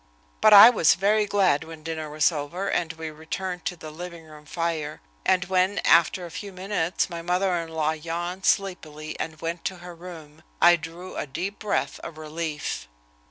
But I was very glad when the dinner was over, and we returned to the living room fire. And when, after a few minutes, my mother in law yawned sleepily and went to her room, I drew a deep breath of relief.